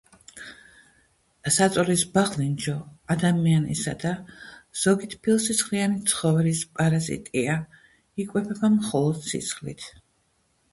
საწოლის ბაღლინჯო ადამიანისა და ზოგი თბილსისხლიანი ცხოველის პარაზიტია; იკვებება მხოლოდ სისხლით.